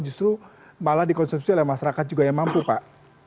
justru malah dikonsumsi oleh masyarakat juga yang mampu pak